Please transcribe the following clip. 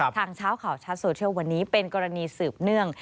เช้าข่าวชัดโซเชียลวันนี้เป็นกรณีสืบเนื่อง